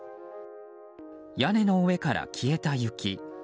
屋根の上から消えた雪。